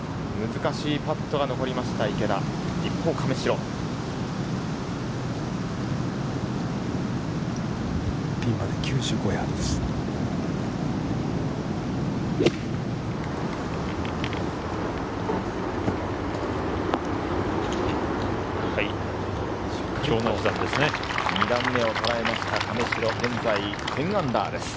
難しいパットが残りましピンまで９５ヤードです。